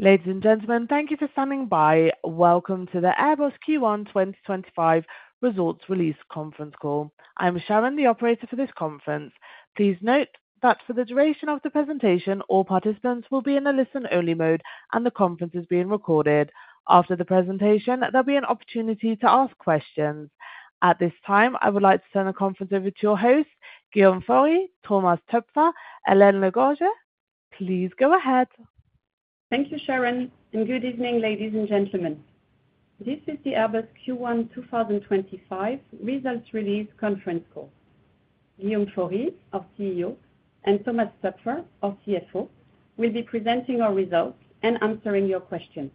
Ladies and gentlemen, thank you for standing by. Welcome to the Airbus Q1 2025 Results Release Conference Call. I'm Sharon, the operator for this conference. Please note that for the duration of the presentation, all participants will be in a listen-only mode, and the conference is being recorded. After the presentation, there'll be an opportunity to ask questions. At this time, I would like to turn the conference over to your hosts, Guillaume Faury, Thomas Toepfer, Hélène Le Gorgeu. Please go ahead. Thank you, Sharon, and good evening, ladies and gentlemen. This is the Airbus Q1 2025 Results Release Conference Call. Guillaume Faury, our CEO, and Thomas Toepfer, our CFO, will be presenting our results and answering your questions.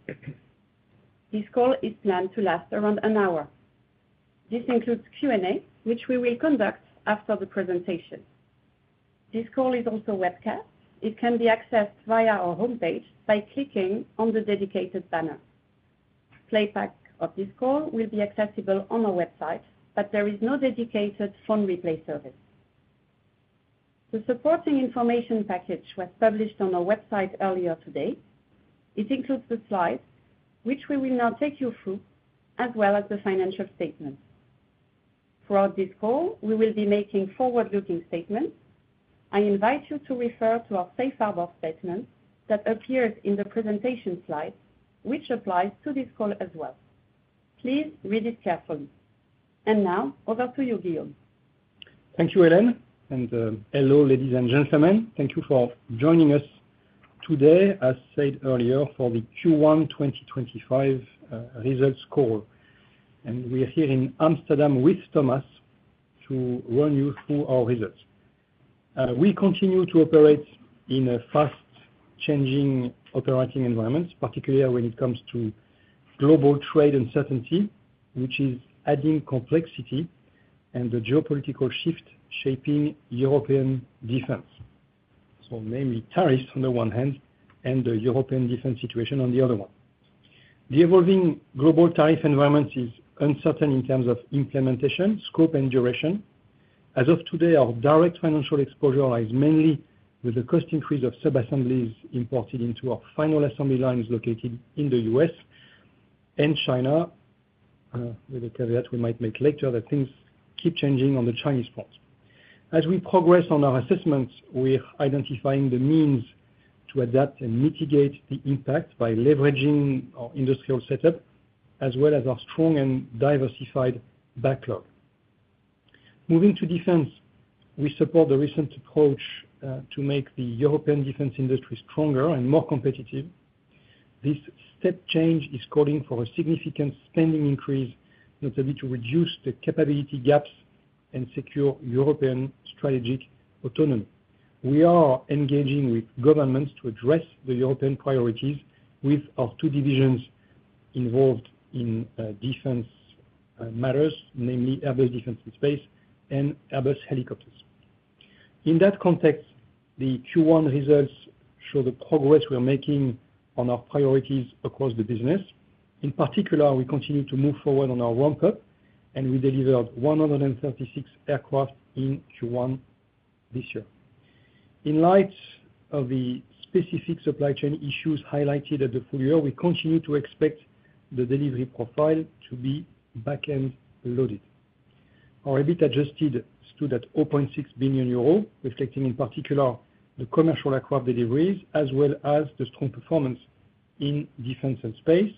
This call is planned to last around an hour. This includes Q&A, which we will conduct after the presentation. This call is also webcast. It can be accessed via our homepage by clicking on the dedicated banner. Playback of this call will be accessible on our website, but there is no dedicated phone replay service. The supporting information package was published on our website earlier today. It includes the slides, which we will now take you through, as well as the financial statements. Throughout this call, we will be making forward-looking statements. I invite you to refer to our safe harbor statement that appears in the presentation slides, which applies to this call as well. Please read it carefully. Now, over to you, Guillaume. Thank you, Hélène, and hello, ladies and gentlemen. Thank you for joining us today, as said earlier, for the Q1 2025 Results Call. We are here in Amsterdam with Thomas to run you through our results. We continue to operate in a fast-changing operating environment, particularly when it comes to global trade uncertainty, which is adding complexity and the geopolitical shift shaping European defense. Mainly tariffs on the one hand and the European defense situation on the other one. The evolving global tariff environment is uncertain in terms of implementation, scope, and duration. As of today, our direct financial exposure lies mainly with the cost increase of sub-assemblies imported into our final assembly lines located in the U.S. and China, with a caveat we might make later that things keep changing on the Chinese front. As we progress on our assessments, we're identifying the means to adapt and mitigate the impact by leveraging our industrial setup, as well as our strong and diversified backlog. Moving to defense, we support the recent approach to make the European defense industry stronger and more competitive. This step change is calling for a significant spending increase, notably to reduce the capability gaps and secure European strategic autonomy. We are engaging with governments to address the European priorities with our two divisions involved in defense matters, namely Airbus Defence and Space and Airbus Helicopters. In that context, the Q1 results show the progress we're making on our priorities across the business. In particular, we continue to move forward on our ramp-up, and we delivered 136 aircraft in Q1 this year. In light of the specific supply chain issues highlighted at the full year, we continue to expect the delivery profile to be back-end loaded. Our EBIT Adjusted stood at 0.6 billion euro, reflecting in particular the commercial aircraft deliveries, as well as the strong performance in Defence and Space.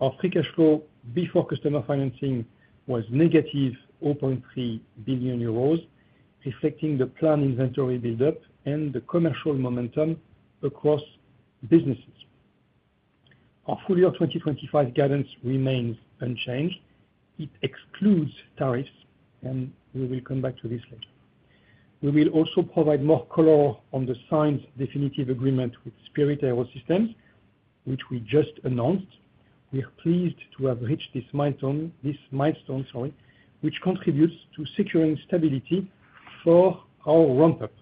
Our free cash flow before customer financing was negative 0.3 billion euros, reflecting the planned inventory build-up and the commercial momentum across businesses. Our full year 2025 guidance remains unchanged. It excludes tariffs, and we will come back to this later. We will also provide more color on the signed definitive agreement with Spirit AeroSystems, which we just announced. We are pleased to have reached this milestone, which contributes to securing stability for our ramp-up.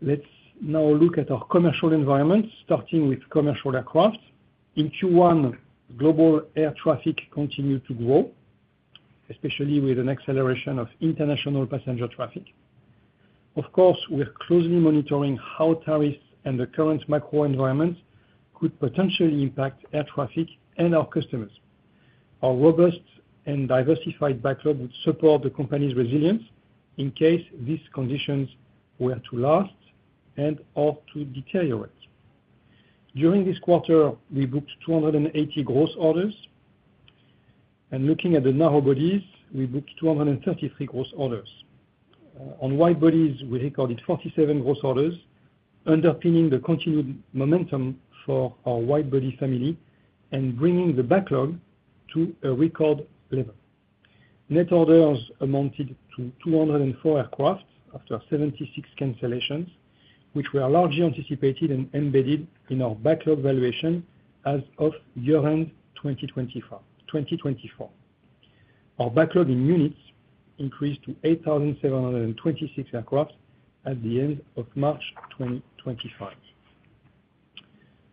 Let's now look at our commercial environment, starting with commercial aircraft. In Q1, global air traffic continued to grow, especially with an acceleration of international passenger traffic. Of course, we're closely monitoring how tariffs and the current macro environment could potentially impact air traffic and our customers. Our robust and diversified backlog would support the company's resilience in case these conditions were to last and/or to deteriorate. During this quarter, we booked 280 gross orders. Looking at the narrow bodies, we booked 233 gross orders. On wide bodies, we recorded 47 gross orders, underpinning the continued momentum for our wide body family and bringing the backlog to a record level. Net orders amounted to 204 aircraft after 76 cancellations, which were largely anticipated and embedded in our backlog valuation as of year-end 2024. Our backlog in units increased to 8,726 aircraft at the end of March 2025.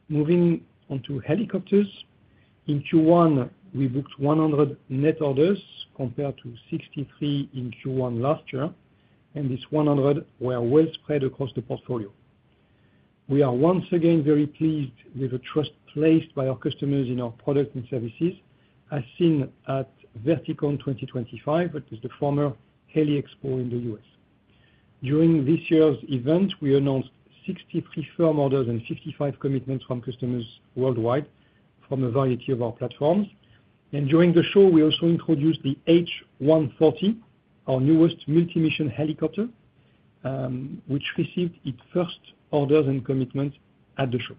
Moving on to helicopters, in Q1, we booked 100 net orders compared to 63 in Q1 last year, and these 100 were well spread across the portfolio. We are once again very pleased with the trust placed by our customers in our products and services, as seen at Verticon 2025, which is the former Heli-Expo in the U.S. During this year's event, we announced 63 firm orders and 55 commitments from customers worldwide from a variety of our platforms. During the show, we also introduced the H140, our newest multi-mission helicopter, which received its first orders and commitments at the show.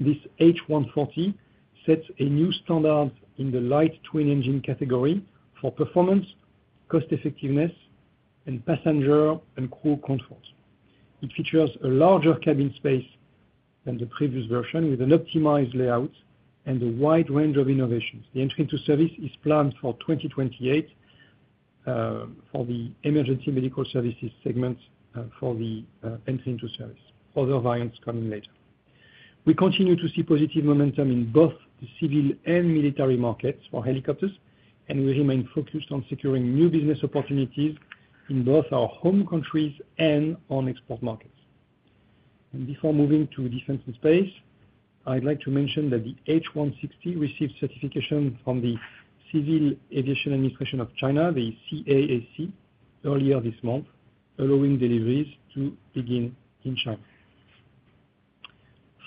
This H140 sets a new standard in the light twin engine category for performance, cost-effectiveness, and passenger and crew comfort. It features a larger cabin space than the previous version, with an optimized layout and a wide range of innovations. The entry into service is planned for 2028 for the emergency medical services segment for the entry into service. Other variants are coming later. We continue to see positive momentum in both the civil and military markets for Helicopters, and we remain focused on securing new business opportunities in both our home countries and on export markets. Before moving to Defence and Space, I'd like to mention that the H160 received certification from the Civil Aviation Administration of China, the CAAC, earlier this month, allowing deliveries to begin in China.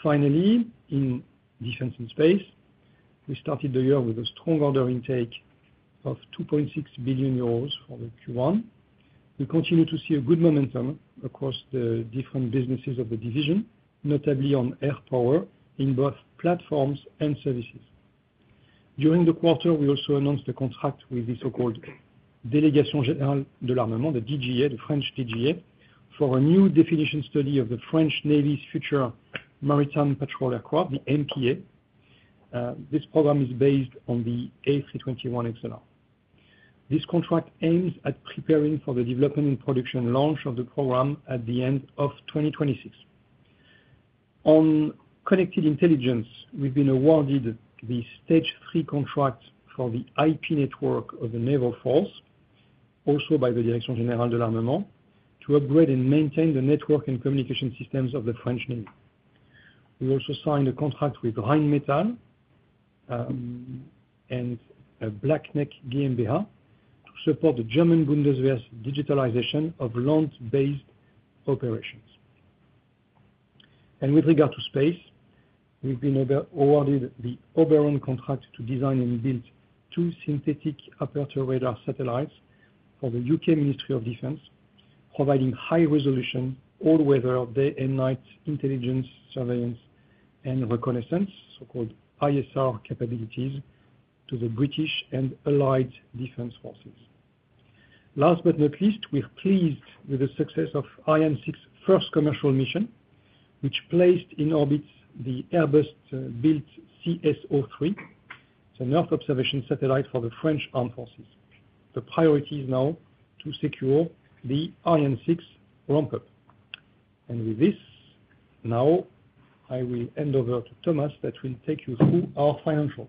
Finally, in Defence and Space, we started the year with a strong order intake of 2.6 billion euros for the Q1. We continue to see good momentum across the different businesses of the division, notably on air power in both platforms and services. During the quarter, we also announced a contract with the so-called Direction Générale de l'Armement, the DGA, the French DGA, for a new definition study of the French Navy's Future Maritime Patrol Aircraft, the MPA. This program is based on the A321XLR. This contract aims at preparing for the development and production launch of the program at the end of 2026. On connected intelligence, we've been awarded the stage three contract for the IP network of the Naval Force, also by the Direction Générale de l'Armement, to upgrade and maintain the network and communication systems of the French Navy. We also signed a contract with Rheinmetall and Blackned GmbH to support the German Bundeswehr's digitalization of land-based operations. With regard to space, we've been awarded the Oberon contract to design and build two synthetic aperture radar satellites for the U.K. Ministry of Defence, providing high-resolution all-weather, day and night intelligence, surveillance, and reconnaissance, so-called ISR capabilities, to the British and Allied Defense Forces. Last but not least, we're pleased with the success of Ariane 6's first commercial mission, which placed in orbit the Airbus-built CSO-3, an Earth observation satellite for the French Armed Forces. The priority is now to secure the Ariane 6 ramp-up. With this, now I will hand over to Thomas that will take you through our financials.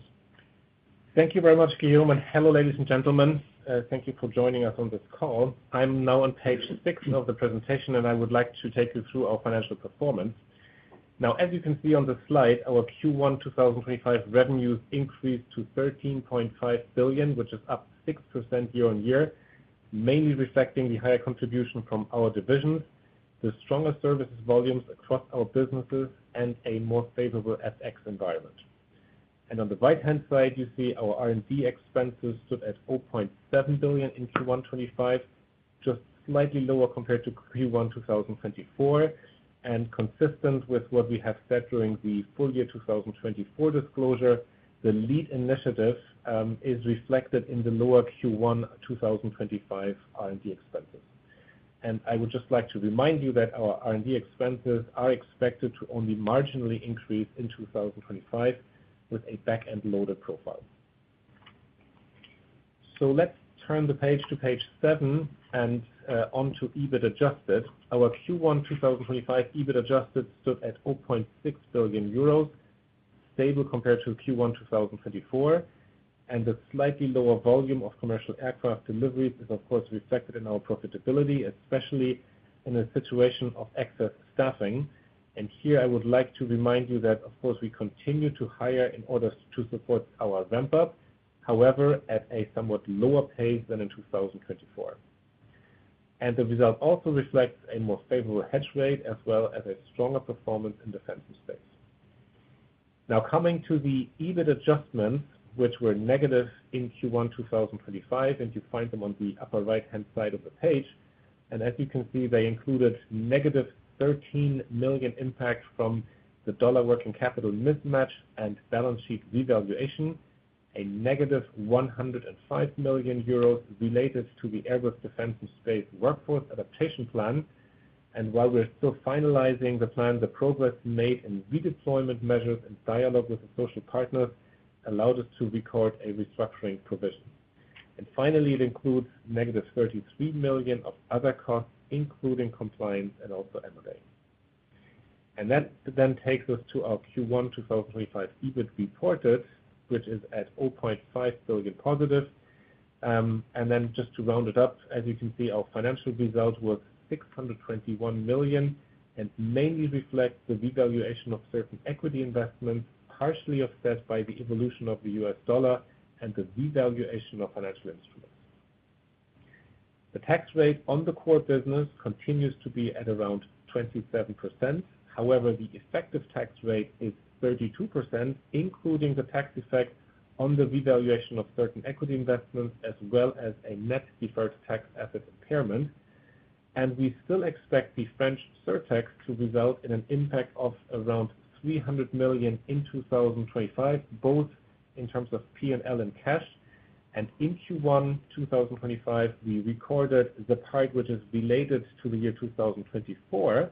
Thank you very much, Guillaume, and hello, ladies and gentlemen. Thank you for joining us on this call. I'm now on page six of the presentation, and I would like to take you through our financial performance. Now, as you can see on the slide, our Q1 2025 revenues increased to 13.5 billion, which is up 6% year-on-year, mainly reflecting the higher contribution from our divisions, the stronger services volumes across our businesses, and a more favorable FX environment. On the right-hand side, you see our R&D expenses stood at 0.7 billion in Q1 2025, just slightly lower compared to Q1 2024, and consistent with what we have said during the full year 2024 disclosure, the Lead Initiative is reflected in the lower Q1 2025 R&D expenses. I would just like to remind you that our R&D expenses are expected to only marginally increase in 2025 with a back-end loaded profile. Let's turn the page to page seven and onto EBIT Adjusted. Our Q1 2025 EBIT Adjusted stood at 0.6 billion euros, stable compared to Q1 2024, and the slightly lower volume of commercial aircraft deliveries is, of course, reflected in our profitability, especially in a situation of excess staffing. Here, I would like to remind you that, of course, we continue to hire in order to support our ramp-up, however, at a somewhat lower pace than in 2024. The result also reflects a more favorable hedge rate as well as a stronger performance in Defence and Space. Now, coming to the EBIT adjustments, which were negative in Q1 2025, you find them on the upper right-hand side of the page. As you can see, they included a negative 13 million impact from the dollar working capital mismatch and balance sheet revaluation, a negative 105 million euros related to the Airbus Defence and Space Workforce Adaptation Plan. While we are still finalizing the plan, the progress made in redeployment measures in dialogue with the social partners allowed us to record a restructuring provision. It includes a negative 33 million of other costs, including compliance and also M&A. That then takes us to our Q1 2025 EBIT reported, which is at 0.5 billion positive. Just to round it up, as you can see, our financial result was 621 million and mainly reflects the revaluation of certain equity investments, partially offset by the evolution of the US dollar and the revaluation of financial instruments. The tax rate on the core business continues to be at around 27%. However, the effective tax rate is 32%, including the tax effect on the revaluation of certain equity investments, as well as a net deferred tax asset impairment. We still expect the French surtax to result in an impact of around 300 million in 2025, both in terms of P&L and cash. In Q1 2025, we recorded the part which is related to the year 2024,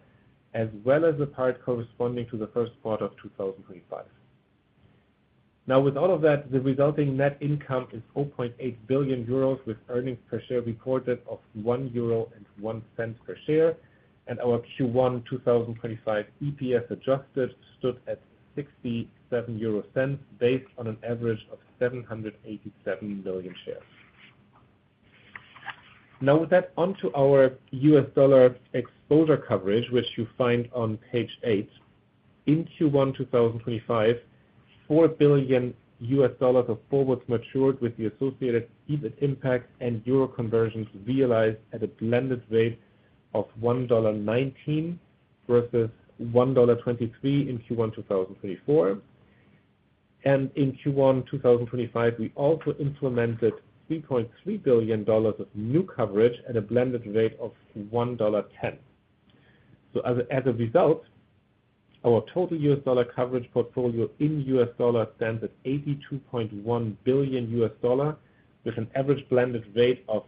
as well as the part corresponding to the first quarter of 2025. Now, with all of that, the resulting net income is 0.8 billion euros, with earnings per share reported of 1.01 euro per share. Our Q1 2025 EPS Adjusted stood at 0.67, based on an average of 787 million shares. Now, with that, onto our US dollar exposure coverage, which you find on page eight. In Q1 2025, EUR 4 billion of forwards matured with the associated EBIT impact and euro conversions realized at a blended rate of $1.19 versus $1.23 in Q1 2024. In Q1 2025, we also implemented $3.3 billion of new coverage at a blended rate of $1.10. As a result, our total US dollar coverage portfolio in US dollars stands at $82.1 billion, with an average blended rate of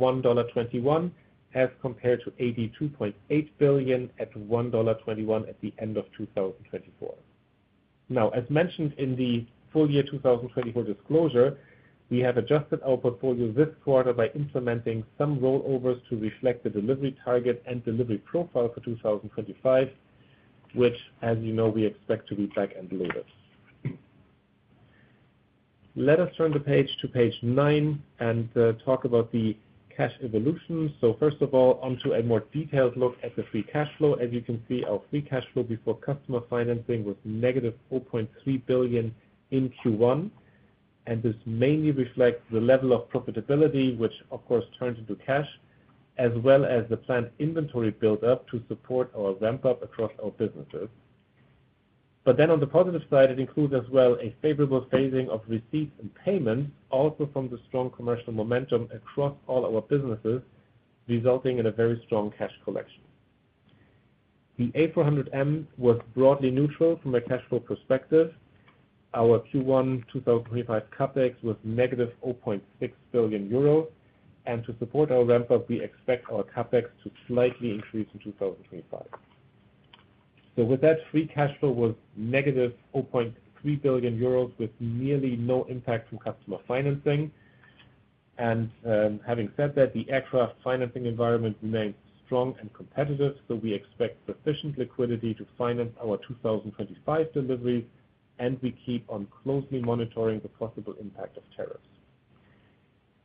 $1.21 as compared to $82.8 billion at $1.21 at the end of 2024. As mentioned in the full year 2024 disclosure, we have adjusted our portfolio this quarter by implementing some rollovers to reflect the delivery target and delivery profile for 2025, which, you know, we expect to read back and deliver it. Let us turn the page to page nine and talk about the cash evolution. First of all, onto a more detailed look at the free cash flow. As you can see, our free cash flow before customer financing was negative 0.3 billion in Q1. This mainly reflects the level of profitability, which, of course, turns into cash, as well as the planned inventory build-up to support our ramp-up across our businesses. On the positive side, it includes as well a favorable phasing of receipts and payments, also from the strong commercial momentum across all our businesses, resulting in a very strong cash collection. The A400M was broadly neutral from a cash flow perspective. Our Q1 2025 CapEx was negative 0.6 billion euros. To support our ramp-up, we expect our CapEx to slightly increase in 2025. With that, free cash flow was negative 0.3 billion euros, with nearly no impact from customer financing. Having said that, the aircraft financing environment remains strong and competitive, so we expect sufficient liquidity to finance our 2025 deliveries, and we keep on closely monitoring the possible impact of tariffs.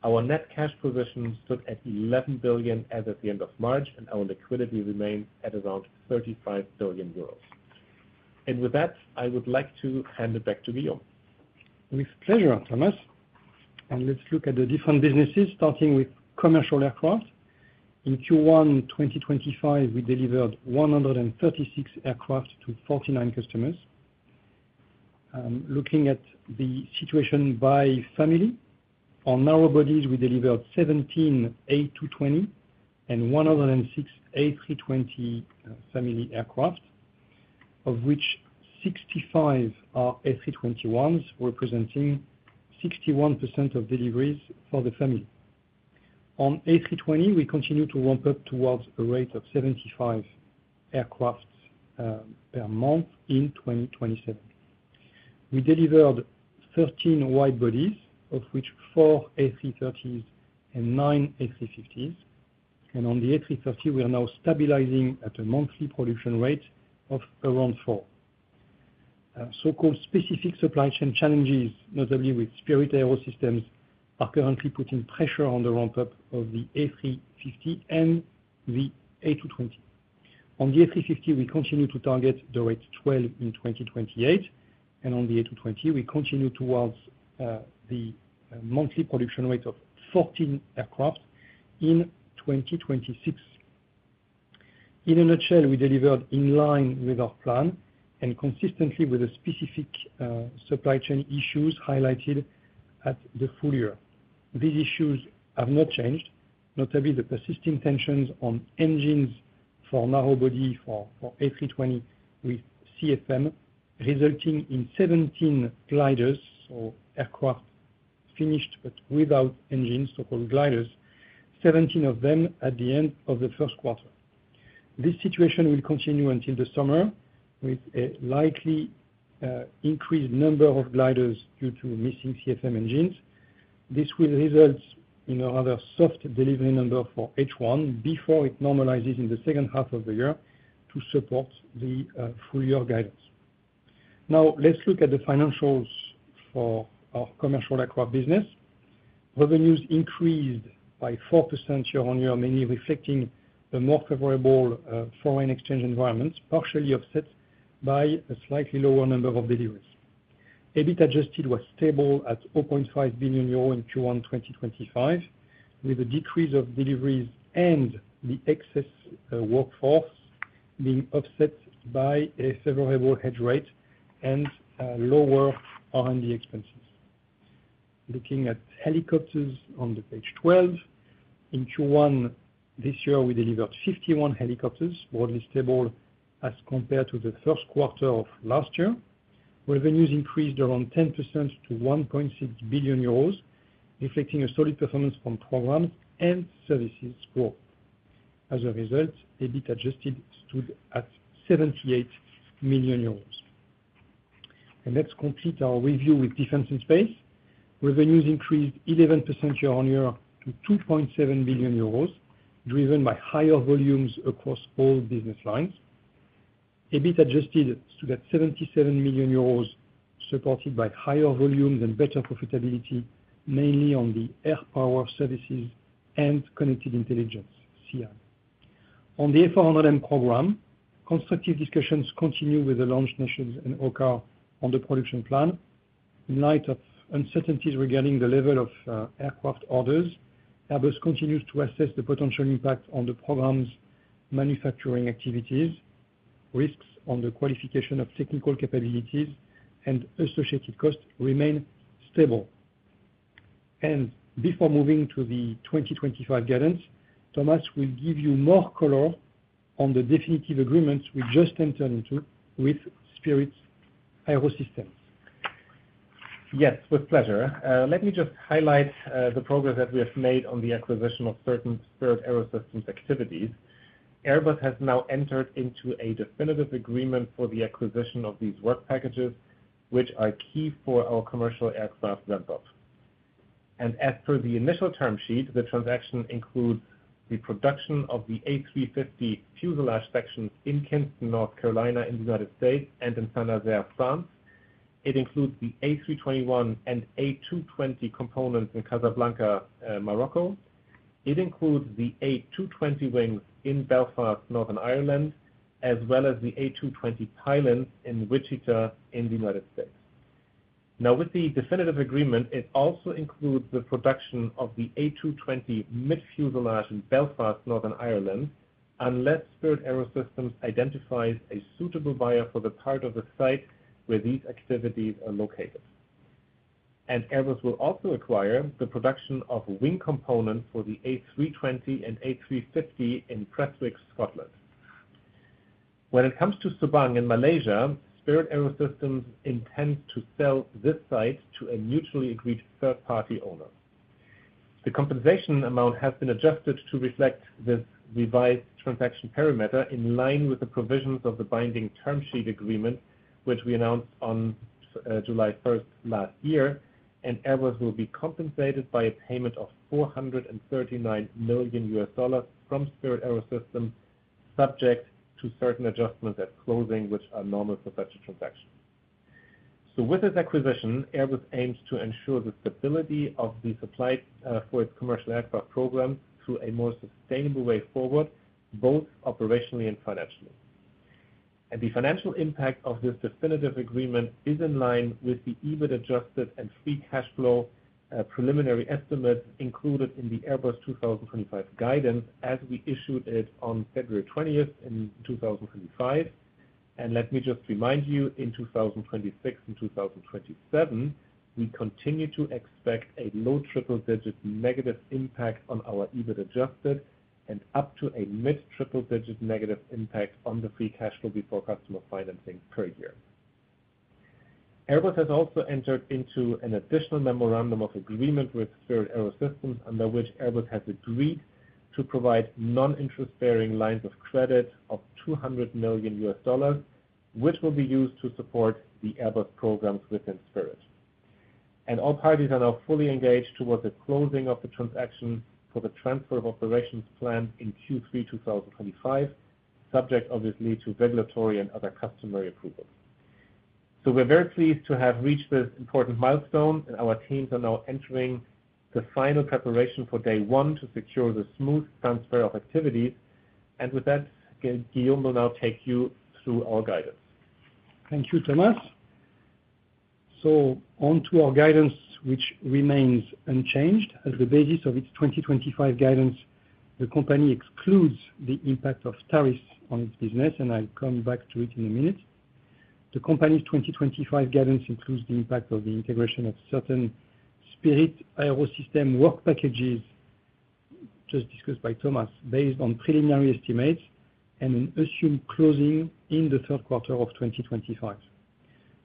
Our net cash position stood at 11 billion as at the end of March, and our liquidity remains at around 35 billion euros. With that, I would like to hand it back to Guillaume. With pleasure, Thomas. Let's look at the different businesses, starting with commercial aircraft. In Q1 2025, we delivered 136 aircraft to 49 customers. Looking at the situation by family, on narrow bodies, we delivered 17 A220 and 106 A320 family aircraft, of which 65 are A321s, representing 61% of deliveries for the family. On A320, we continue to ramp up towards a rate of 75 aircraft per month in 2027. We delivered 13 wide bodies, of which four A330s and nine A350s. On the A330, we are now stabilizing at a monthly production rate of around four. Specific supply chain challenges, notably with Spirit AeroSystems, are currently putting pressure on the ramp-up of the A350 and the A220. On the A350, we continue to target the rate 12 in 2028. On the A220, we continue towards the monthly production rate of 14 aircraft in 2026. In a nutshell, we delivered in line with our plan and consistently with the specific supply chain issues highlighted at the full year. These issues have not changed, notably the persisting tensions on engines for narrow body for A320 with CFM, resulting in 17 gliders, so aircraft finished but without engines, so-called gliders, 17 of them at the end of the first quarter. This situation will continue until the summer, with a likely increased number of gliders due to missing CFM engines. This will result in a rather soft delivery number for H1 before it normalizes in the second half of the year to support the full year guidance. Now, let's look at the financials for our commercial aircraft business. Revenues increased by 4% year-on-year, mainly reflecting a more favorable foreign exchange environment, partially offset by a slightly lower number of deliveries. EBIT Adjusted was stable at 0.5 billion euro in Q1 2025, with a decrease of deliveries and the excess workforce being offset by a favorable hedge rate and lower R&D expenses. Looking at Helicopters on page 12, in Q1 this year, we delivered 51 helicopters, broadly stable as compared to the first quarter of last year. Revenues increased around 10% to 1.6 billion euros, reflecting a solid performance from programs and services growth. As a result, EBIT Adjusted stood at 78 million euros. Let's complete our review with Defence and Space. Revenues increased 11% year-on-year to 2.7 billion euros, driven by higher volumes across all business lines. EBIT Adjusted stood at 77 million euros, supported by higher volumes and better profitability, mainly on the Air Power services and Connected Intelligence, CI. On the A400M program, constructive discussions continue with the launch nations and OCCAR on the production plan. In light of uncertainties regarding the level of aircraft orders, Airbus continues to assess the potential impact on the program's manufacturing activities. Risks on the qualification of technical capabilities and associated costs remain stable. Before moving to the 2025 guidance, Thomas will give you more color on the definitive agreements we just entered into with Spirit AeroSystems. Yes, with pleasure. Let me just highlight the progress that we have made on the acquisition of certain Spirit AeroSystems activities. Airbus has now entered into a definitive agreement for the acquisition of these work packages, which are key for our commercial aircraft ramp-up. As per the initial term sheet, the transaction includes the production of the A350 fuselage sections in Kinston, North Carolina, in the United States and in Saint-Nazaire, France. It includes the A321 and A220 components in Casablanca, Morocco. It includes the A220 wings in Belfast, Northern Ireland, as well as the A220 pylons in Wichita in the United States. Now, with the definitive agreement, it also includes the production of the A220 mid-fuselage in Belfast, Northern Ireland, unless Spirit AeroSystems identifies a suitable buyer for the part of the site where these activities are located. Airbus will also acquire the production of wing components for the A320 and A350 in Prestwick, Scotland. When it comes to Subang in Malaysia, Spirit AeroSystems intends to sell this site to a mutually agreed third-party owner. The compensation amount has been adjusted to reflect this revised transaction perimeter in line with the provisions of the binding term sheet agreement, which we announced on July 1, 2023. Airbus will be compensated by a payment of $439 million from Spirit AeroSystems, subject to certain adjustments at closing, which are normal for such a transaction. With this acquisition, Airbus aims to ensure the stability of the supply for its commercial aircraft program through a more sustainable way forward, both operationally and financially. The financial impact of this definitive agreement is in line with the EBIT Adjusted and free cash flow preliminary estimates included in the Airbus 2025 guidance, as we issued it on February 20, 2025. Let me just remind you, in 2026 and 2027, we continue to expect a low triple-digit negative impact on our EBIT Adjusted and up to a mid-triple-digit negative impact on the free cash flow before customer financing per year. Airbus has also entered into an additional memorandum of agreement with Spirit AeroSystems, under which Airbus has agreed to provide non-interest-bearing lines of credit of $200 million, which will be used to support the Airbus programs within Spirit. All parties are now fully engaged towards the closing of the transaction for the transfer of operations planned in Q3 2025, subject, obviously, to regulatory and other customary approvals. We're very pleased to have reached this important milestone, and our teams are now entering the final preparation for day one to secure the smooth transfer of activities. With that, Guillaume will now take you through our guidance. Thank you, Thomas. Onto our guidance, which remains unchanged. At the basis of its 2025 guidance, the company excludes the impact of tariffs on its business, and I'll come back to it in a minute. The company's 2025 guidance includes the impact of the integration of certain Spirit AeroSystems work packages just discussed by Thomas, based on preliminary estimates and an assumed closing in the third quarter of 2025.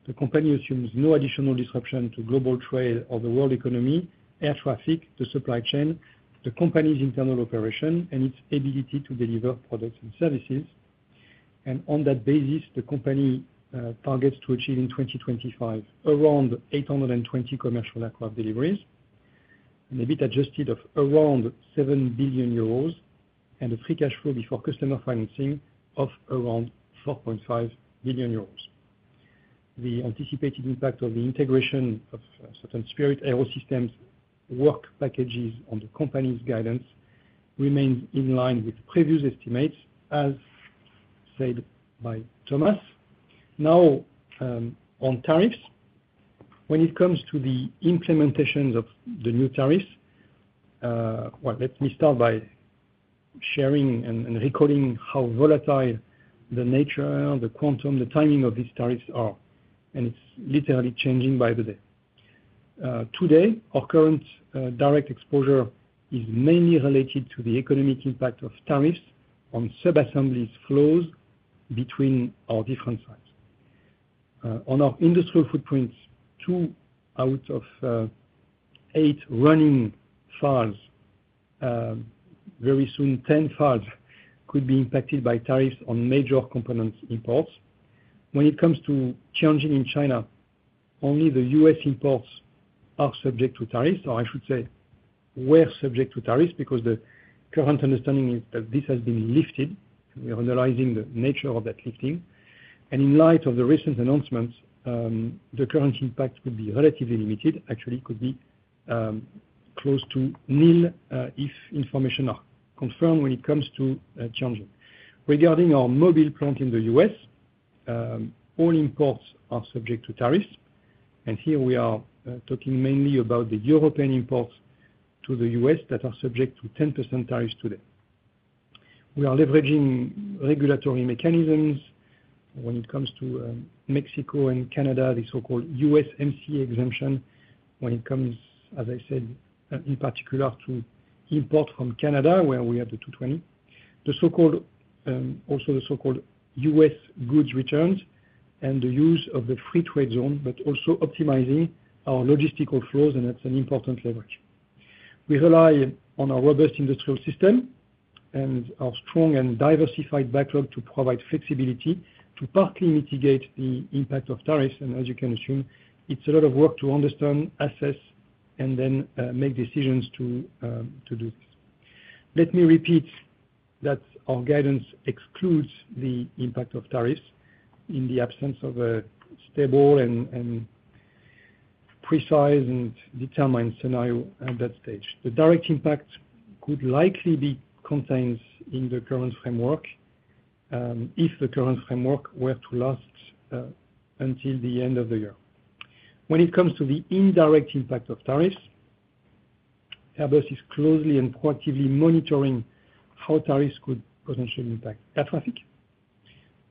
The company assumes no additional disruption to global trade or the world economy, air traffic, the supply chain, the company's internal operation, and its ability to deliver products and services. On that basis, the company targets to achieve in 2025 around 820 commercial aircraft deliveries, an EBIT Adjusted of around 7 billion euros, and a free cash flow before customer financing of around 4.5 billion euros. The anticipated impact of the integration of certain Spirit AeroSystems work packages on the company's guidance remains in line with previous estimates, as said by Thomas. Now, on tariffs, when it comes to the implementations of the new tariffs, let me start by sharing and recalling how volatile the nature, the quantum, the timing of these tariffs are. It is literally changing by the day. Today, our current direct exposure is mainly related to the economic impact of tariffs on sub-assemblies' flows between our different sites. On our industrial footprint, two out of eight running FALs, very soon 10 FALs, could be impacted by tariffs on major components' imports. When it comes to Tianjin in China, only the US imports are subject to tariffs, or I should say, were subject to tariffs, because the current understanding is that this has been lifted. We are analyzing the nature of that lifting. In light of the recent announcements, the current impact could be relatively limited, actually could be close to nil if information is confirmed when it comes to Tianjin. Regarding our Mobile plant in the U.S., all imports are subject to tariffs. Here we are talking mainly about the European imports to the U.S. that are subject to 10% tariffs today. We are leveraging regulatory mechanisms when it comes to Mexico and Canada, the so-called USMCA exemption when it comes, as I said, in particular to import from Canada, where we have the A220, also the so-called U.S. goods returns and the use of the free trade zone, but also optimizing our logistical flows, and that's an important leverage. We rely on our robust industrial system and our strong and diversified backlog to provide flexibility to partly mitigate the impact of tariffs. As you can assume, it's a lot of work to understand, assess, and then make decisions to do this. Let me repeat that our guidance excludes the impact of tariffs in the absence of a stable and precise and determined scenario at that stage. The direct impact could likely be contained in the current framework if the current framework were to last until the end of the year. When it comes to the indirect impact of tariffs, Airbus is closely and proactively monitoring how tariffs could potentially impact air traffic,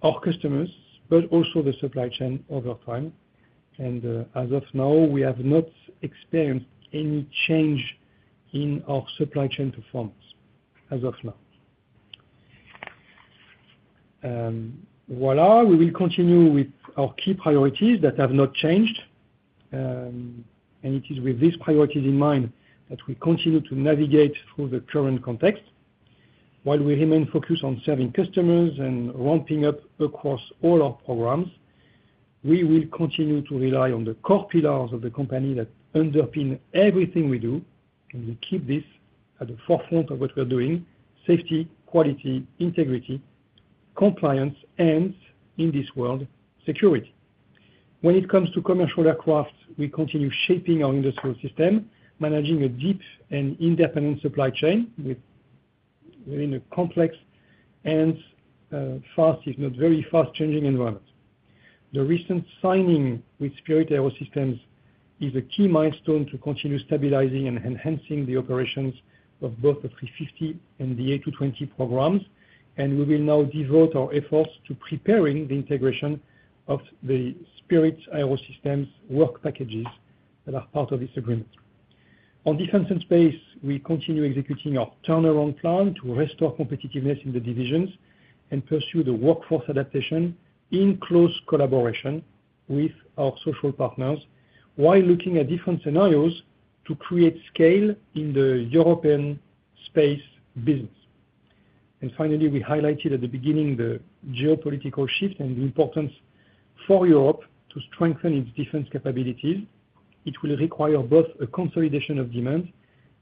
our customers, but also the supply chain over time. As of now, we have not experienced any change in our supply chain performance as of now. Voilà, we will continue with our key priorities that have not changed. It is with these priorities in mind that we continue to navigate through the current context. While we remain focused on serving customers and ramping up across all our programs, we will continue to rely on the core pillars of the company that underpin everything we do. We keep this at the forefront of what we're doing: safety, quality, integrity, compliance, and in this world, security. When it comes to commercial aircraft, we continue shaping our industrial system, managing a deep and independent supply chain within a complex and fast, if not very fast, changing environment. The recent signing with Spirit AeroSystems is a key milestone to continue stabilizing and enhancing the operations of both the A350 and the A220 programs. We will now devote our efforts to preparing the integration of the Spirit AeroSystems work packages that are part of this agreement. On defense and space, we continue executing our turnaround plan to restore competitiveness in the divisions and pursue the workforce adaptation in close collaboration with our social partners, while looking at different scenarios to create scale in the European space business. Finally, we highlighted at the beginning the geopolitical shift and the importance for Europe to strengthen its defense capabilities. It will require both a consolidation of demand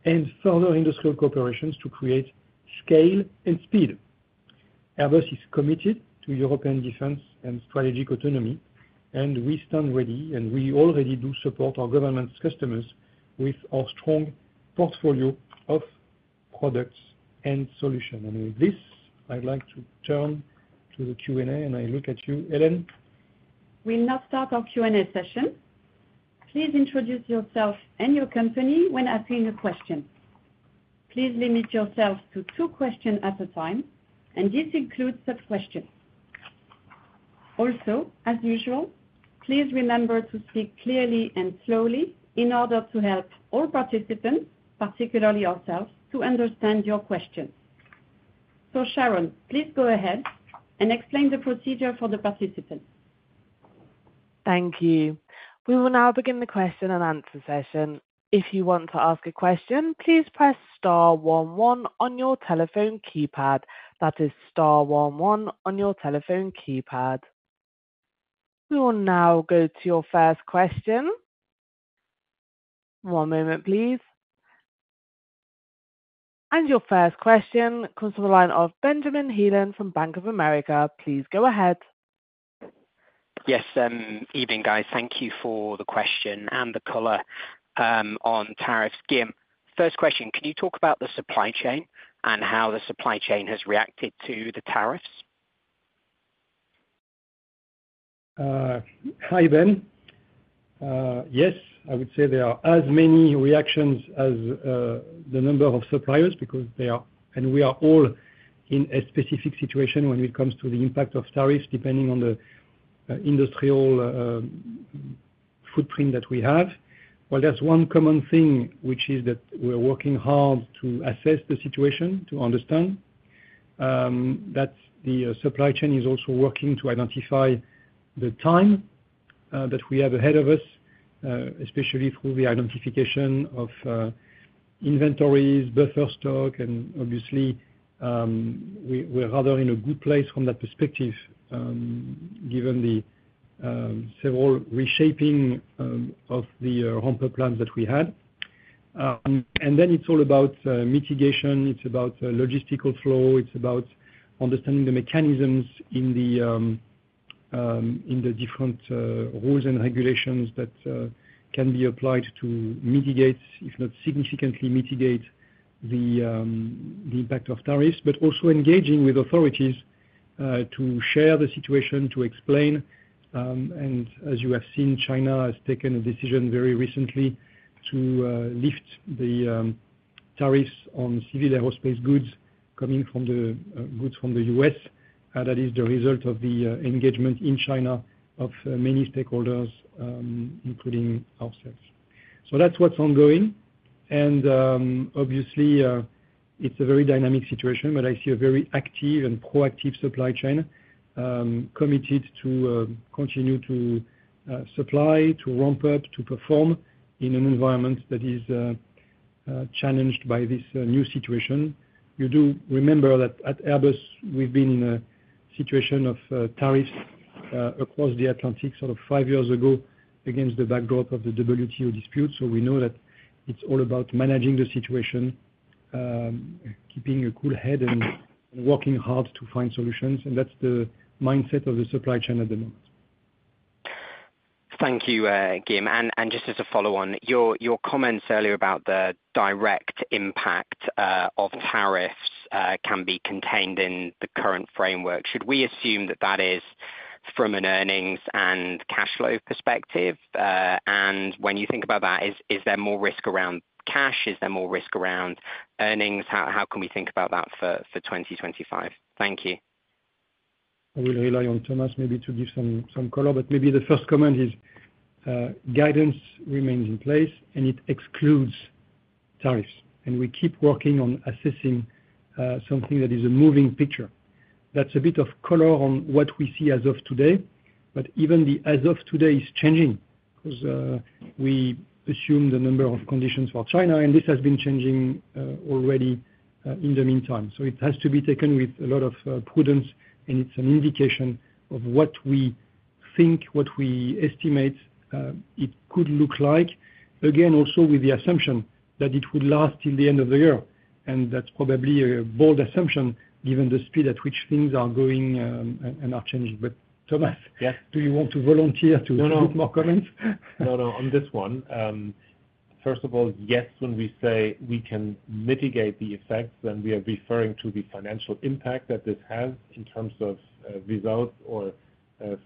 and further industrial cooperations to create scale and speed. Airbus is committed to European defense and strategic autonomy, and we stand ready, and we already do support our government's customers with our strong portfolio of products and solutions. With this, I'd like to turn to the Q&A, and I look at you, Hélène. We'll now start our Q&A session. Please introduce yourself and your company when asking a question. Please limit yourself to two questions at a time, and this includes such questions. Also, as usual, please remember to speak clearly and slowly in order to help all participants, particularly ourselves, to understand your questions. Sharon, please go ahead and explain the procedure for the participants. Thank you. We will now begin the question and answer session. If you want to ask a question, please press star 11 on your telephone keypad. That is star 11 on your telephone keypad. We will now go to your first question. One moment, please. Your first question comes from the line of Benjamin Heelan from Bank of America. Please go ahead. Yes, evening, guys. Thank you for the question and the color on tariffs. Guillaume, first question, can you talk about the supply chain and how the supply chain has reacted to the tariffs? Hi, Ben. Yes, I would say there are as many reactions as the number of suppliers because they are, and we are all in a specific situation when it comes to the impact of tariffs depending on the industrial footprint that we have. There is one common thing, which is that we're working hard to assess the situation, to understand that the supply chain is also working to identify the time that we have ahead of us, especially through the identification of inventories, buffer stock, and obviously, we're rather in a good place from that perspective given the several reshaping of the ramp-up plans that we had. It is all about mitigation. It is about logistical flow. It's about understanding the mechanisms in the different rules and regulations that can be applied to mitigate, if not significantly mitigate, the impact of tariffs, but also engaging with authorities to share the situation, to explain. As you have seen, China has taken a decision very recently to lift the tariffs on civil aerospace goods coming from the goods from the US. That is the result of the engagement in China of many stakeholders, including ourselves. That's what's ongoing. Obviously, it's a very dynamic situation, but I see a very active and proactive supply chain committed to continue to supply, to ramp up, to perform in an environment that is challenged by this new situation. You do remember that at Airbus, we've been in a situation of tariffs across the Atlantic sort of five years ago against the backdrop of the WTO dispute. We know that it's all about managing the situation, keeping a cool head, and working hard to find solutions. That's the mindset of the supply chain at the moment. Thank you, Guillaume. Just as a follow-on, your comments earlier about the direct impact of tariffs can be contained in the current framework. Should we assume that that is from an earnings and cash flow perspective? When you think about that, is there more risk around cash? Is there more risk around earnings? How can we think about that for 2025? Thank you. I will rely on Thomas maybe to give some color, but maybe the first comment is guidance remains in place, and it excludes tariffs. We keep working on assessing something that is a moving picture. That is a bit of color on what we see as of today, but even the as of today is changing because we assume the number of conditions for China, and this has been changing already in the meantime. It has to be taken with a lot of prudence, and it is an indication of what we think, what we estimate it could look like. Again, also with the assumption that it would last till the end of the year. That is probably a bold assumption given the speed at which things are going and are changing. Thomas, do you want to volunteer to make more comments? No, no, on this one. First of all, yes, when we say we can mitigate the effects, then we are referring to the financial impact that this has in terms of results or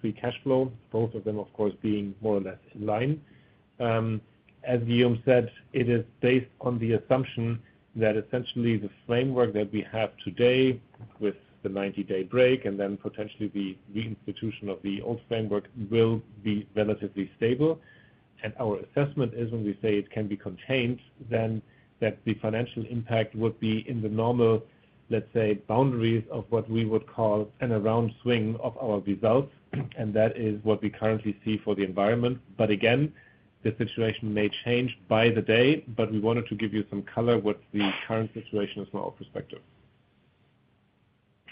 free cash flow, both of them, of course, being more or less in line. As Guillaume said, it is based on the assumption that essentially the framework that we have today with the 90-day break and then potentially the reinstitution of the old framework will be relatively stable. Our assessment is when we say it can be contained, then that the financial impact would be in the normal, let's say, boundaries of what we would call an around swing of our results. That is what we currently see for the environment. Again, the situation may change by the day, but we wanted to give you some color with the current situation as well of perspective.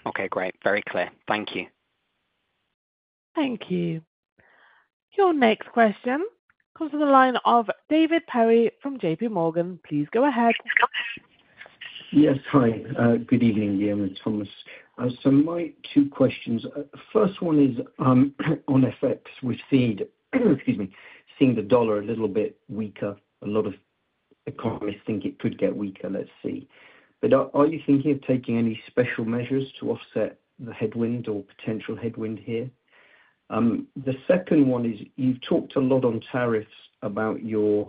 Okay, great. Very clear. Thank you. Thank you. Your next question comes from the line of David Perry from JP Morgan. Please go ahead. Yes, hi. Good evening, Guillaume and Thomas. My two questions. First one is on FX with feed. Excuse me. Seeing the dollar a little bit weaker. A lot of economists think it could get weaker. Let's see. Are you thinking of taking any special measures to offset the headwind or potential headwind here? The second one is you've talked a lot on tariffs about your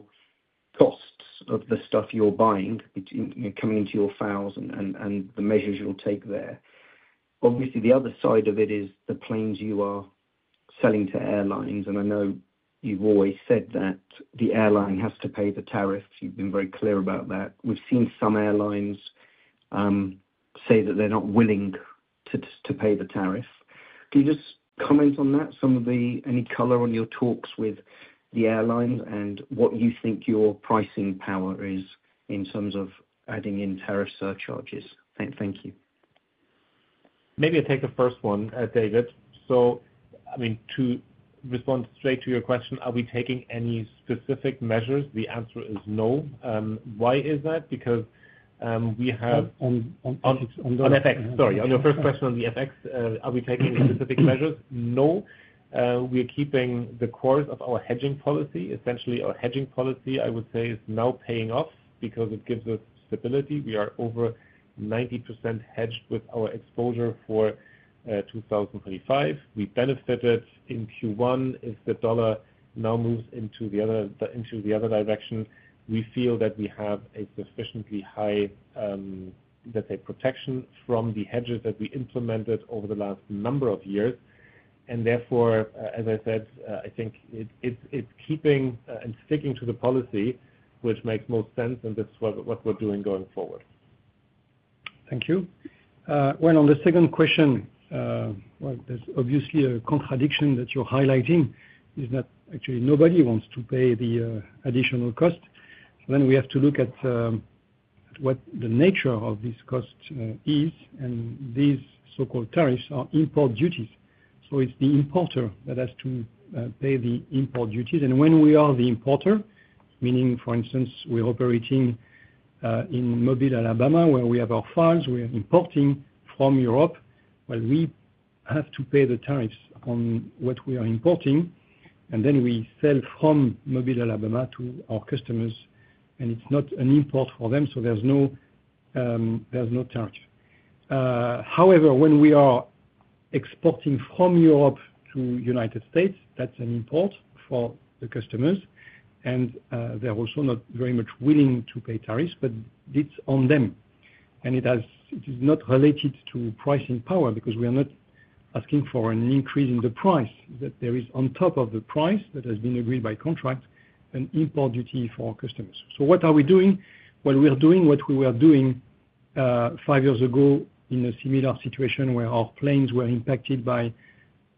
costs of the stuff you're buying coming into your FALs and the measures you'll take there. Obviously, the other side of it is the planes you are selling to airlines. I know you've always said that the airline has to pay the tariffs. You've been very clear about that. We've seen some airlines say that they're not willing to pay the tariff. Can you just comment on that? Some of the any color on your talks with the airlines and what you think your pricing power is in terms of adding in tariff surcharges? Thank you. Maybe I'll take the first one, David. I mean, to respond straight to your question, are we taking any specific measures? The answer is no. Why is that? Because we have. On effects. On effects. Sorry. On your first question on the effects, are we taking specific measures? No. We are keeping the course of our hedging policy. Essentially, our hedging policy, I would say, is now paying off because it gives us stability. We are over 90% hedged with our exposure for 2025. We benefited in Q1. If the dollar now moves into the other direction, we feel that we have a sufficiently high, let's say, protection from the hedges that we implemented over the last number of years. Therefore, as I said, I think it's keeping and sticking to the policy, which makes most sense, and this is what we're doing going forward. Thank you. On the second question, there's obviously a contradiction that you're highlighting is that actually nobody wants to pay the additional cost. We have to look at what the nature of this cost is. These so-called tariffs are import duties. It's the importer that has to pay the import duties. When we are the importer, meaning, for instance, we're operating in Mobile, Alabama, where we have our FALs, we are importing from Europe, we have to pay the tariffs on what we are importing. We sell from Mobile, Alabama to our customers. It's not an import for them, so there's no tariff. However, when we are exporting from Europe to the United States, that's an import for the customers. They're also not very much willing to pay tariffs, but it's on them. It is not related to pricing power because we are not asking for an increase in the price that there is on top of the price that has been agreed by contract, an import duty for our customers. What are we doing? We are doing what we were doing five years ago in a similar situation where our planes were impacted by,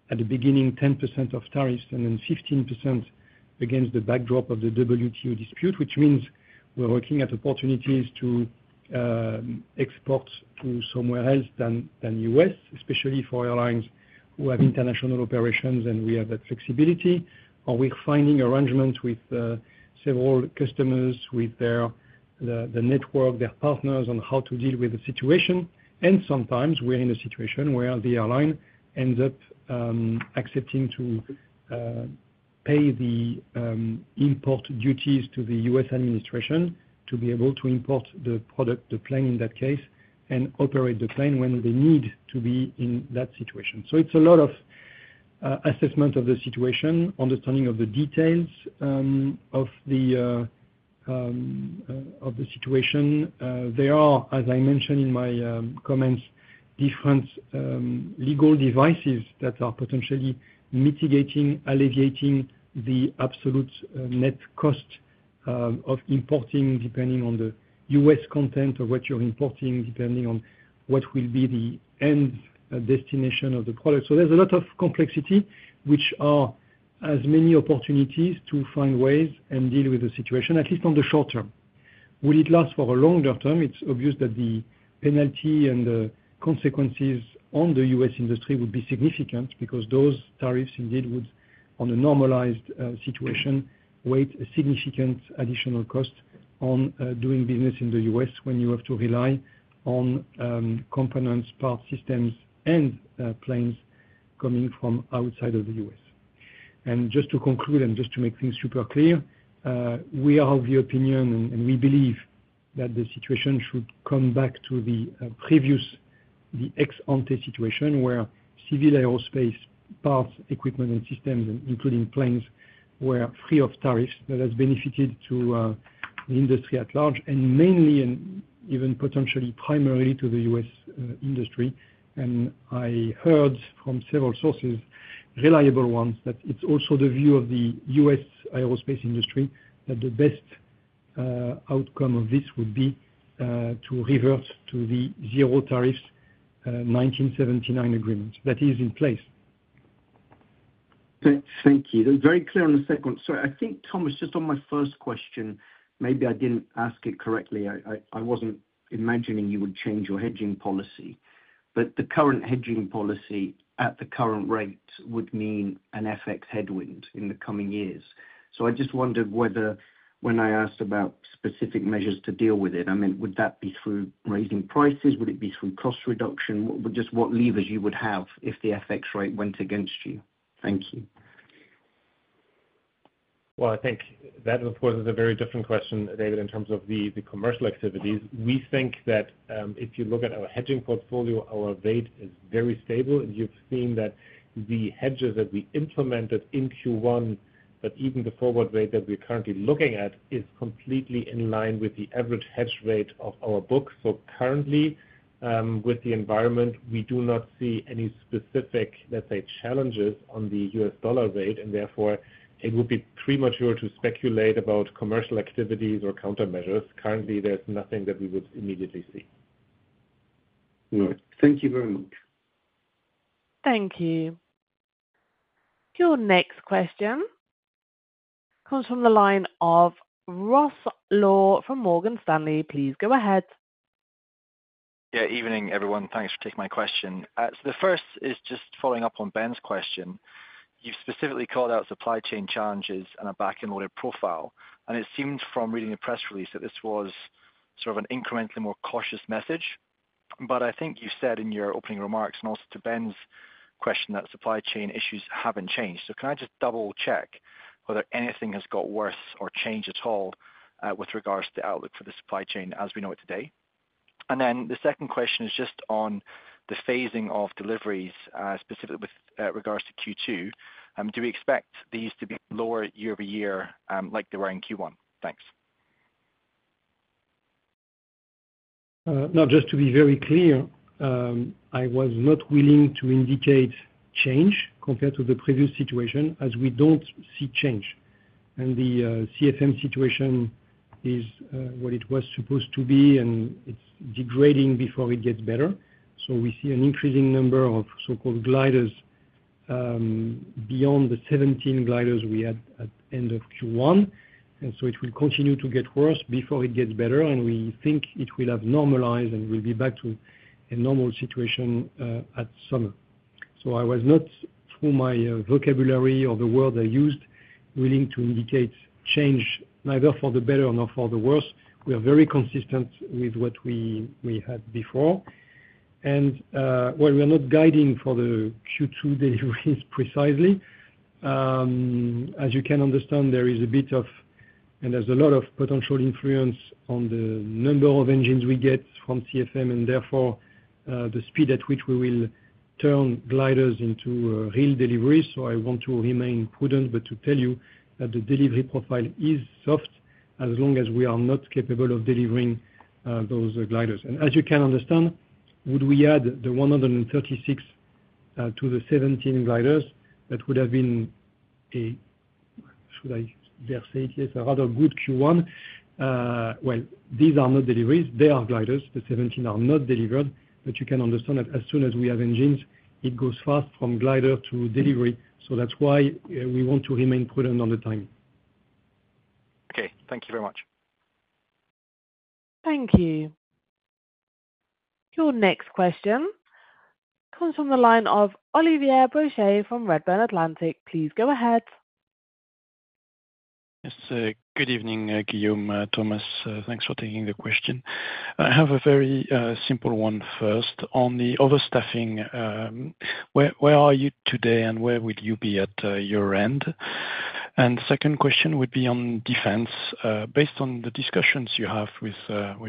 at the beginning, 10% of tariffs and then 15% against the backdrop of the WTO dispute, which means we are working at opportunities to export to somewhere else than the U.S., especially for airlines who have international operations, and we have that flexibility. We are finding arrangements with several customers, with the network, their partners on how to deal with the situation. Sometimes we're in a situation where the airline ends up accepting to pay the import duties to the U.S. administration to be able to import the product, the plane in that case, and operate the plane when they need to be in that situation. It is a lot of assessment of the situation, understanding of the details of the situation. There are, as I mentioned in my comments, different legal devices that are potentially mitigating, alleviating the absolute net cost of importing depending on the U.S. content of what you're importing, depending on what will be the end destination of the product. There is a lot of complexity, which are as many opportunities to find ways and deal with the situation, at least on the short term. Will it last for a longer term? It's obvious that the penalty and the consequences on the U.S. industry would be significant because those tariffs indeed would, on a normalized situation, weight a significant additional cost on doing business in the U.S. when you have to rely on components, parts, systems, and planes coming from outside of the U.S. Just to conclude and just to make things super clear, we are of the opinion and we believe that the situation should come back to the previous, the ex-ante situation where civil aerospace parts, equipment, and systems, including planes, were free of tariffs that has benefited to the industry at large, and mainly, and even potentially primarily to the U.S. industry. I heard from several sources, reliable ones, that it's also the view of the U.S. aerospace industry that the best outcome of this would be to revert to the zero tariffs 1979 Agreement that is in place. Thank you. That's very clear on the second. I think, Thomas, just on my first question, maybe I didn't ask it correctly. I wasn't imagining you would change your hedging policy. The current hedging policy at the current rate would mean an FX headwind in the coming years. I just wondered whether, when I asked about specific measures to deal with it, I meant, would that be through raising prices? Would it be through cost reduction? Just what levers you would have if the FX rate went against you? Thank you. I think that, of course, is a very different question, David, in terms of the commercial activities. We think that if you look at our hedging portfolio, our rate is very stable. You have seen that the hedges that we implemented in Q1, but even the forward rate that we are currently looking at, is completely in line with the average hedge rate of our book. Currently, with the environment, we do not see any specific, let's say, challenges on the US dollar rate. Therefore, it would be premature to speculate about commercial activities or countermeasures. Currently, there is nothing that we would immediately see. All right. Thank you very much. Thank you. Your next question comes from the line of Ross Law from Morgan Stanley. Please go ahead. Yeah, evening, everyone. Thanks for taking my question. The first is just following up on Ben's question. You've specifically called out supply chain challenges and a back-and-forth profile. It seemed from reading the press release that this was sort of an incrementally more cautious message. I think you said in your opening remarks and also to Ben's question that supply chain issues haven't changed. Can I just double-check whether anything has got worse or changed at all with regards to the outlook for the supply chain as we know it today? The second question is just on the phasing of deliveries specifically with regards to Q2. Do we expect these to be lower year-over-year like they were in Q1? Thanks. Now, just to be very clear, I was not willing to indicate change compared to the previous situation as we do not see change. The CFM situation is what it was supposed to be, and it is degrading before it gets better. We see an increasing number of so-called gliders beyond the 17 gliders we had at the end of Q1. It will continue to get worse before it gets better. We think it will have normalized and will be back to a normal situation at summer. I was not, through my vocabulary or the words I used, willing to indicate change, neither for the better nor for the worse. We are very consistent with what we had before. While we are not guiding for the Q2 deliveries precisely, as you can understand, there is a bit of, and there's a lot of potential influence on the number of engines we get from CFM and therefore the speed at which we will turn gliders into real deliveries. I want to remain prudent, but to tell you that the delivery profile is soft as long as we are not capable of delivering those gliders. As you can understand, would we add the 136 to the 17 gliders? That would have been a, should I dare say it, yes, a rather good Q1. These are not deliveries. They are gliders. The 17 are not delivered. You can understand that as soon as we have engines, it goes fast from glider to delivery. That is why we want to remain prudent on the timing. Okay. Thank you very much. Thank you. Your next question comes from the line of Olivier Brochet from Redburn Atlantic. Please go ahead. Yes. Good evening, Guillaume, Thomas. Thanks for taking the question. I have a very simple one first. On the overstaffing, where are you today and where would you be at your end? The second question would be on defense. Based on the discussions you have with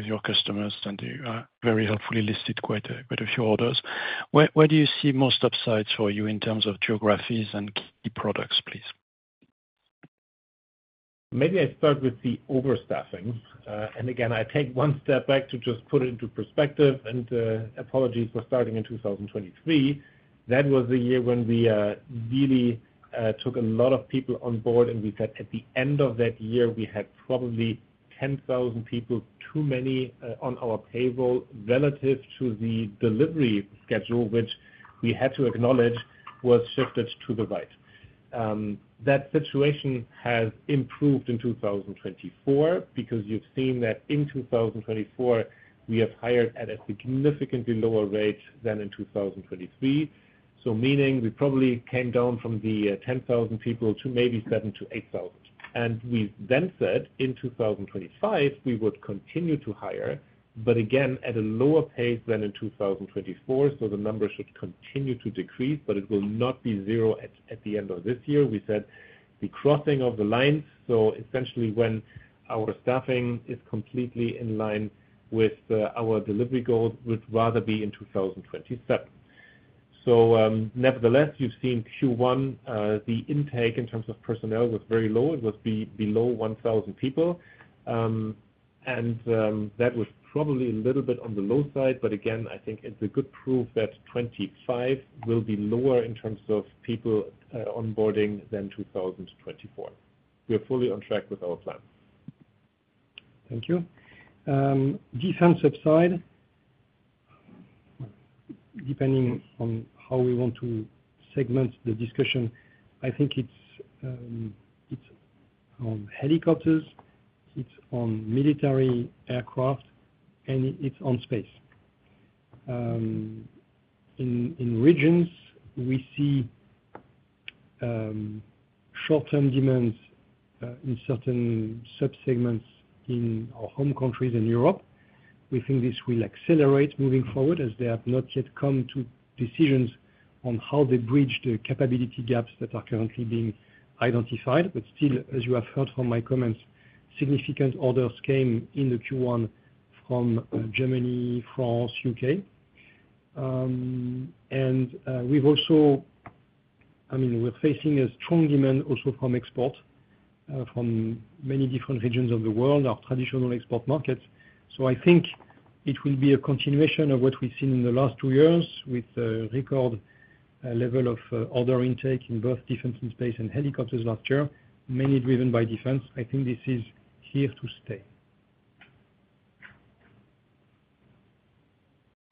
your customers, and you very helpfully listed quite a few orders, where do you see most upsides for you in terms of geographies and key products, please? Maybe I start with the overstaffing. Again, I take one step back to just put it into perspective. Apologies for starting in 2023. That was the year when we really took a lot of people on board. We said at the end of that year, we had probably 10,000 people too many on our payroll relative to the delivery schedule, which we had to acknowledge was shifted to the right. That situation has improved in 2024 because you have seen that in 2024, we have hired at a significantly lower rate than in 2023. Meaning we probably came down from the 10,000 people to maybe 7,000-8,000. We then said in 2025, we would continue to hire, but again, at a lower pace than in 2024. The number should continue to decrease, but it will not be zero at the end of this year. We said the crossing of the lines. Essentially, when our staffing is completely in line with our delivery goals, we'd rather be in 2027. Nevertheless, you've seen Q1, the intake in terms of personnel was very low. It was below 1,000 people. That was probably a little bit on the low side. Again, I think it's a good proof that 2025 will be lower in terms of people onboarding than 2024. We're fully on track with our plan. Thank you. Defense upside, depending on how we want to segment the discussion, I think it's on Helicopters, it's on military aircraft, and it's on space. In regions, we see short-term demands in certain subsegments in our home countries and Europe. We think this will accelerate moving forward as they have not yet come to decisions on how they bridge the capability gaps that are currently being identified. As you have heard from my comments, significant orders came in the Q1 from Germany, France, U.K. We have also, I mean, we're facing a strong demand also from export from many different regions of the world, our traditional export markets. I think it will be a continuation of what we've seen in the last two years with a record level of order intake in both Defence and Space and Helicopters last year, mainly driven by defense. I think this is here to stay.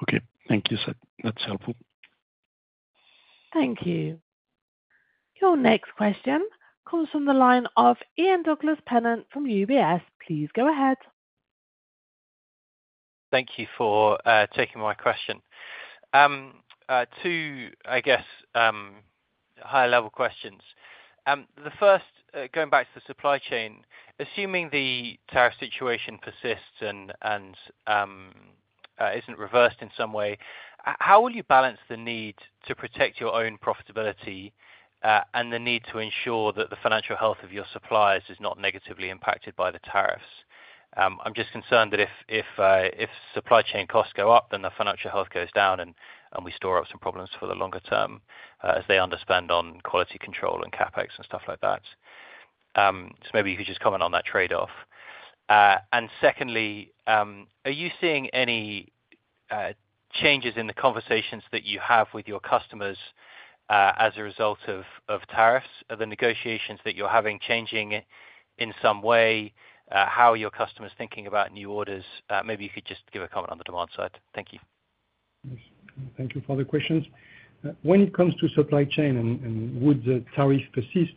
Okay. Thank you. That's helpful. Thank you. Your next question comes from the line of Ian Douglas-Pennant from UBS. Please go ahead. Thank you for taking my question. Two, I guess, higher-level questions. The first, going back to the supply chain, assuming the tariff situation persists and isn't reversed in some way, how will you balance the need to protect your own profitability and the need to ensure that the financial health of your suppliers is not negatively impacted by the tariffs? I'm just concerned that if supply chain costs go up, then the financial health goes down and we store up some problems for the longer term as they understand on quality control and CapEx and stuff like that. Maybe you could just comment on that trade-off. Secondly, are you seeing any changes in the conversations that you have with your customers as a result of tariffs? Are the negotiations that you're having changing in some way how your customers are thinking about new orders? Maybe you could just give a comment on the demand side. Thank you. Thank you for the questions. When it comes to supply chain and would the tariff persist?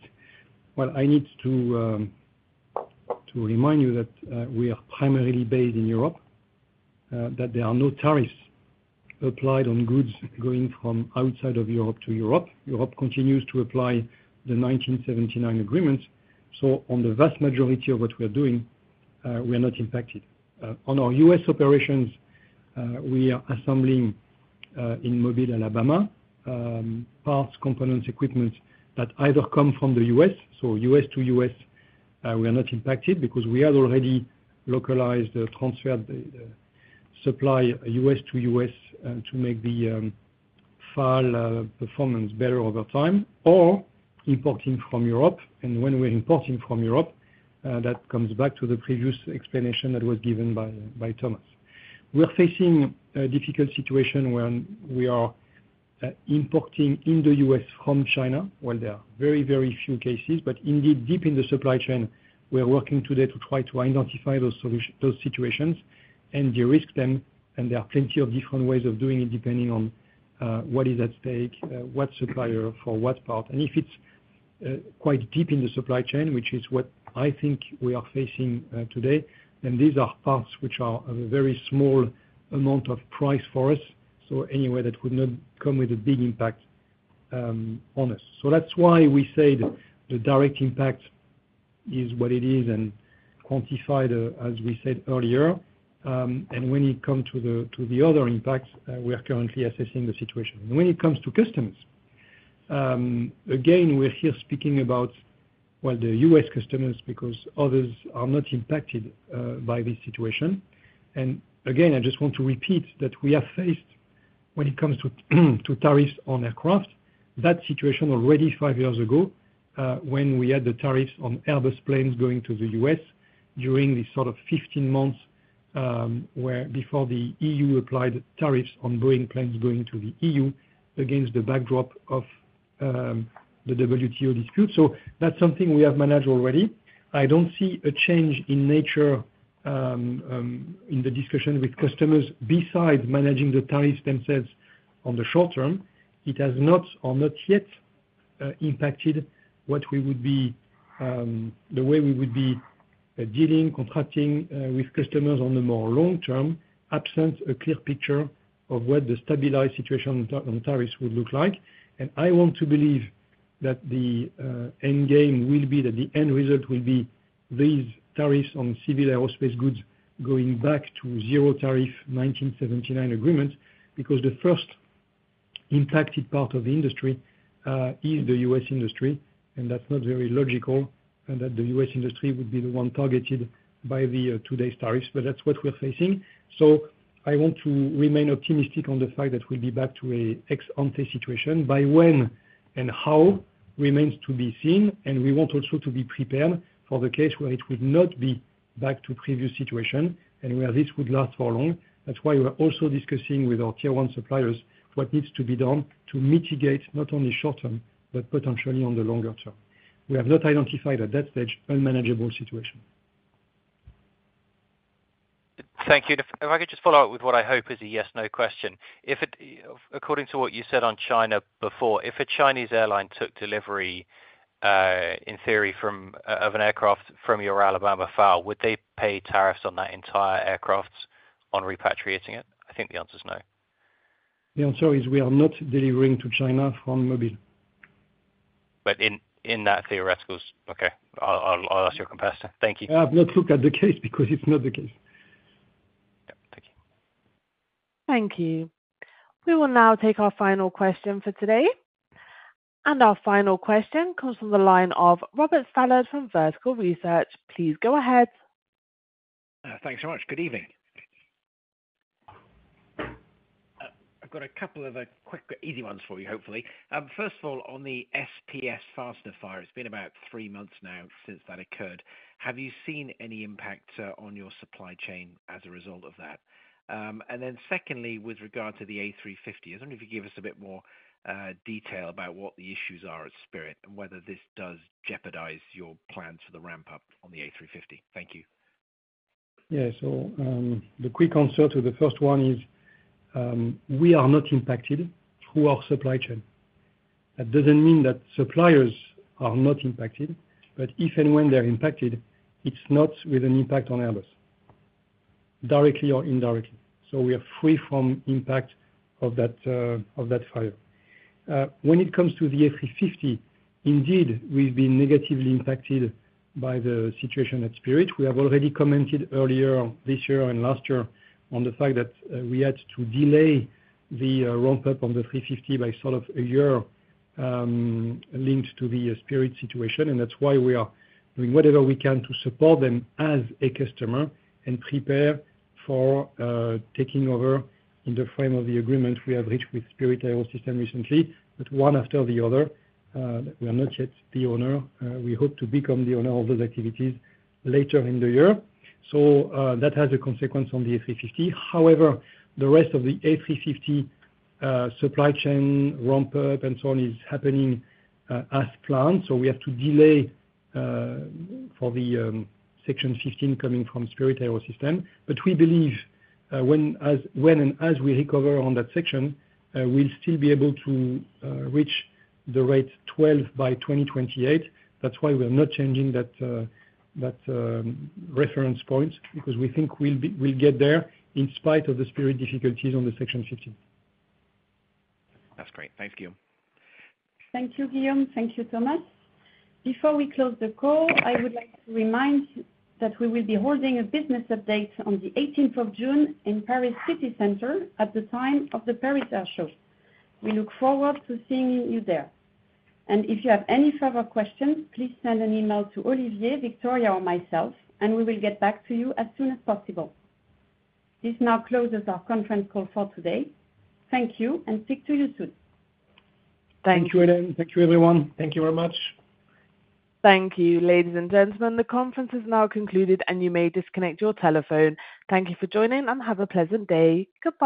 I need to remind you that we are primarily based in Europe, that there are no tariffs applied on goods going from outside of Europe to Europe. Europe continues to apply the 1979 agreement. On the vast majority of what we are doing, we are not impacted. On our U.S. operations, we are assembling in Mobile, Alabama, parts, components, equipment that either come from the U.S. U.S. to U.S., we are not impacted because we have already localized the transferred supply U.S. to U.S. to make the FAL performance better over time or importing from Europe. When we're importing from Europe, that comes back to the previous explanation that was given by Thomas. We're facing a difficult situation when we are importing in the U.S. from China. There are very, very few cases. Indeed, deep in the supply chain, we're working today to try to identify those situations and de-risk them. There are plenty of different ways of doing it depending on what is at stake, what supplier for what part. If it's quite deep in the supply chain, which is what I think we are facing today, then these are parts which are a very small amount of price for us. That would not come with a big impact on us. That's why we say the direct impact is what it is and quantified, as we said earlier. When it comes to the other impacts, we are currently assessing the situation. When it comes to customers, again, we're here speaking about the US customers because others are not impacted by this situation. I just want to repeat that we have faced, when it comes to tariffs on aircraft, that situation already five years ago when we had the tariffs on Airbus planes going to the US during the sort of 15 months before the EU applied tariffs on Boeing planes going to the EU against the backdrop of the WTO dispute. That is something we have managed already. I do not see a change in nature in the discussion with customers besides managing the tariffs themselves on the short term. It has not or not yet impacted what would be the way we would be dealing, contracting with customers on the more long term, absent a clear picture of what the stabilized situation on tariffs would look like. I want to believe that the end game will be that the end result will be these tariffs on civil aerospace goods going back to zero tariff 1979 agreement because the first impacted part of the industry is the U.S. industry. That's not very logical that the U.S. industry would be the one targeted by today's tariffs. That's what we're facing. I want to remain optimistic on the fact that we'll be back to an ex-ante situation. By when and how remains to be seen. We want also to be prepared for the case where it would not be back to previous situation and where this would last for long. That's why we're also discussing with our Tier One suppliers what needs to be done to mitigate not only short term, but potentially on the longer term. We have not identified at that stage unmanageable situation. Thank you. If I could just follow up with what I hope is a yes/no question. According to what you said on China before, if a Chinese airline took delivery, in theory, of an aircraft from your Alabama FAL, would they pay tariffs on that entire aircraft on repatriating it? I think the answer is no. The answer is we are not delivering to China from Mobile. In that theoretical, okay. I'll ask your competitor. Thank you. I have not looked at the case because it's not the case. Yeah. Thank you. Thank you. We will now take our final question for today. Our final question comes from the line of Robert Stallard from Vertical Research. Please go ahead. Thanks so much. Good evening. I've got a couple of quick, easy ones for you, hopefully. First of all, on the SPS fastener fire, it's been about three months now since that occurred. Have you seen any impact on your supply chain as a result of that? Secondly, with regard to the A350, I wonder if you could give us a bit more detail about what the issues are at Spirit and whether this does jeopardize your plans for the ramp-up on the A350. Thank you. Yes. The quick answer to the first one is we are not impacted through our supply chain. That does not mean that suppliers are not impacted. If and when they are impacted, it is not with an impact on Airbus, directly or indirectly. We are free from impact of that fire. When it comes to the A350, indeed, we have been negatively impacted by the situation at Spirit. We have already commented earlier this year and last year on the fact that we had to delay the ramp-up on the 350 by sort of a year linked to the Spirit situation. That is why we are doing whatever we can to support them as a customer and prepare for taking over in the frame of the agreement we have reached with Spirit AeroSystems recently, but one after the other. We are not yet the owner. We hope to become the owner of those activities later in the year. That has a consequence on the A350. However, the rest of the A350 supply chain ramp-up and so on is happening as planned. We have to delay for the Section 15 coming from Spirit AeroSystems. We believe when and as we recover on that section, we'll still be able to reach the rate 12 by 2028. That's why we're not changing that reference point because we think we'll get there in spite of the Spirit difficulties on the Section 15. That's great. Thank you. Thank you, Guillaume. Thank you, Thomas. Before we close the call, I would like to remind that we will be holding a business update on the 18th of June in Paris city center at the time of the Paris Air Show. We look forward to seeing you there. If you have any further questions, please send an email to Olivier, Victoire, or myself, and we will get back to you as soon as possible. This now closes our conference call for today. Thank you and speak to you soon. Thank you, Hélène. Thank you, everyone. Thank you very much. Thank you, ladies and gentlemen. The conference has now concluded, and you may disconnect your telephone. Thank you for joining, and have a pleasant day. Goodbye.